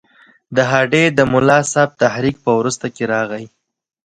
د هډې د ملاصاحب تحریک په وروسته کې راغی.